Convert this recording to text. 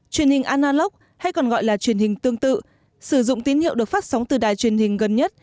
truyền hình analog hay còn gọi là truyền hình tương tự sử dụng tín hiệu được phát sóng từ đài truyền hình gần nhất